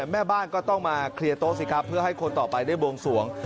แม่บ้านก็ต้องมาเคลียร์โต๊ะสิครับเพื่อให้คนต่อไปได้บวงสวง